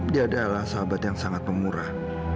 dia adalah sahabat yang sangat pemurah